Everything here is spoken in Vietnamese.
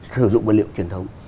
sử dụng vật liệu truyền thống